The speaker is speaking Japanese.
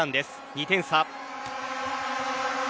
２点差。